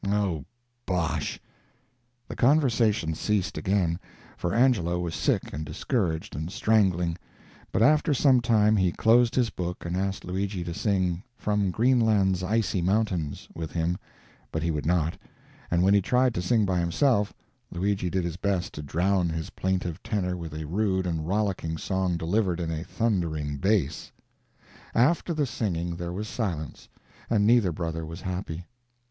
"Oh, bosh!" The conversation ceased again, for Angelo was sick and discouraged and strangling; but after some time he closed his book and asked Luigi to sing "From Greenland's Icy Mountains" with him, but he would not, and when he tried to sing by himself Luigi did his best to drown his plaintive tenor with a rude and rollicking song delivered in a thundering bass. After the singing there was silence, and neither brother was happy.